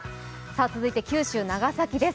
続いて九州長崎です。